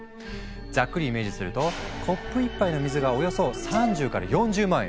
ざっくりイメージするとコップ１杯の水がおよそ３０から４０万円！